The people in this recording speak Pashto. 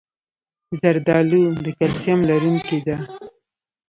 زردالو د کلسیم لرونکی ده.